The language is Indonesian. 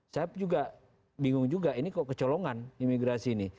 saya juga bingung juga ini kok kecolongan imigrasi ini